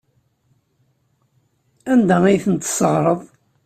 Anda ay tent-tesseɣreḍ?